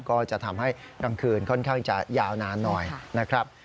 ก็จะทำให้กลางคืนค่อนข้างจะยาวนานหน่อยนะครับ